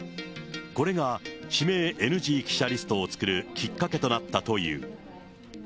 これが指名ＮＧ記者リストを作るきっかけとなったという。